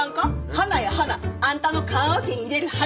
花や花。あんたの棺おけに入れる花。